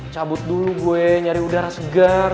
cabut dulu gue nyari udara segar